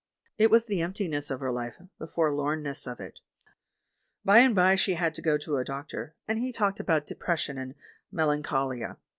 It was the emptiness of her life, the forlornness of it. By and by she had to go to a doctor, and he talked about 'depression' and 'melancholia.'